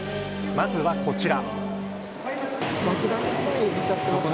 まずはこちら。